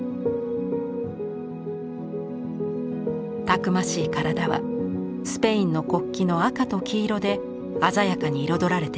たくましい体はスペインの国旗の赤と黄色で鮮やかに彩られています。